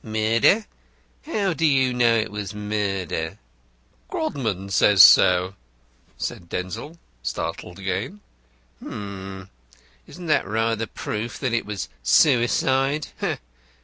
"Murder? How do you know it was murder?" "Mr. Grodman says so," said Denzil, startled again. "H'm! Isn't that rather a proof that it was suicide?